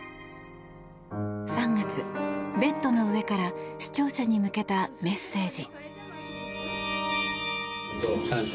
３月、ベッドの上から視聴者に向けたメッセージ。